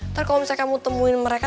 ntar kalau misalnya kamu temuin mereka